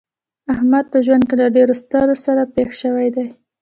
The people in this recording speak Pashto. احمد په ژوند کې له ډېرو ستړو سره پېښ شوی دی.